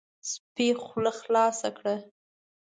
سپي خوله خلاصه کړه،